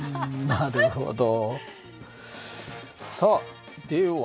なるほど。